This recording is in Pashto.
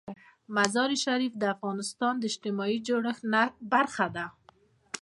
مزارشریف د افغانستان د اجتماعي جوړښت برخه ده.